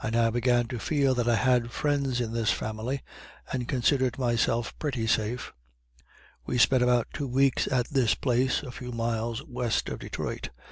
I now began to feel that I had friends in this family, and considered myself pretty safe. We spent about two weeks at this place, a few miles west of Detroit.